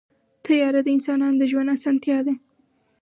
طیاره د انسانانو د ژوند اسانتیا ده.